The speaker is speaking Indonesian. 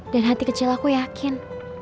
dan hati kecil aku yakin